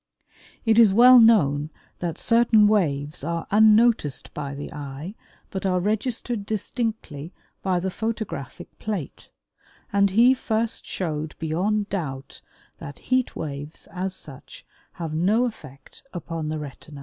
It is well known that certain waves are unnoticed by the eye but are registered distinctly by the photographic plate, and he first showed beyond doubt that heat waves as such have no effect upon the retina.